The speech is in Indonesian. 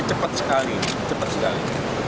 cepat sekali cepat sekali